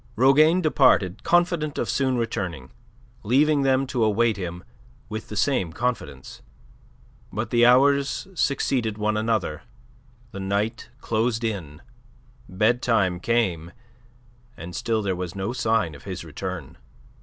Rougane departed confident of soon returning, leaving them to await him with the same confidence. But the hours succeeded one another, the night closed in, bedtime came, and still there was no sign of his return.